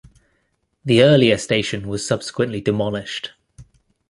The earlier station was subsequently demolished.